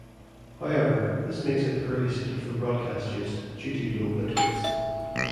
However, this makes it poorly suited for broadcast use, due to low bitrates.